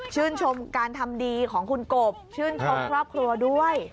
ชมการทำดีของคุณกบชื่นชมครอบครัวด้วย